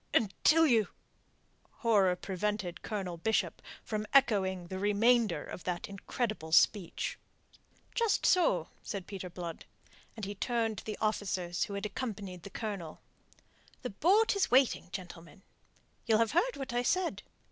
"Until you..." Horror prevented Colonel Bishop from echoing the remainder of that incredible speech. "Just so," said Peter Blood, and he turned to the officers who had accompanied the Colonel. "The boat is waiting, gentlemen. You'll have heard what I said.